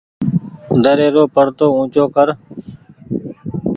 دري رو پڙدو اونچو ڪر۔